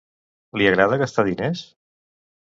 Li agrada gastar diners?